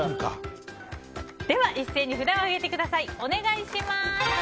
一斉に札を上げてください。